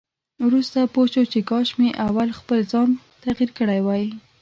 وروسته پوه شو چې کاش مې اول خپل ځان تغيير کړی وای.